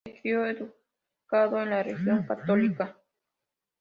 Se crio educado en la religión católica.